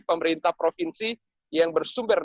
pemerintah provinsi yang bersumber